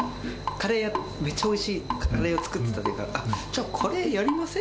カレーや、めっちゃおいしいカレーを作ってたというから、じゃあカレーやりません？